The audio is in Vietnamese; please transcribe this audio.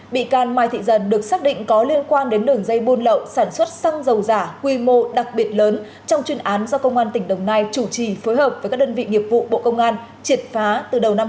bị can mai thị dần được xác định có liên quan đến đường dây buôn lậu sản xuất xăng dầu giả quy mô đặc biệt lớn trong chuyên án do công an tỉnh đồng nai chủ trì phối hợp với các đơn vị nghiệp vụ bộ công an triệt phá từ đầu năm hai nghìn hai mươi